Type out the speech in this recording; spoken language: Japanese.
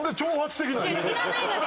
知らないので。